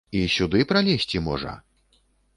І сюды пралезці можа?